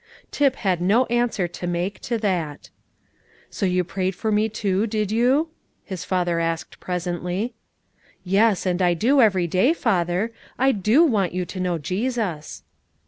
Tip had no answer to make to that. "So you prayed for me too, did you?" his father asked presently. "Yes, and I do every day, father; I do want you to know Jesus."